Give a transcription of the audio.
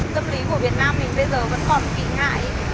tâm lý của việt nam mình bây giờ vẫn còn kỳ ngại ấy